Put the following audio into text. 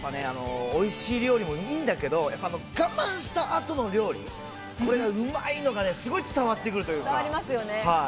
おいしい料理もいいんだけど、我慢した後の料理、これがうまいのがすごい伝わってくるというか。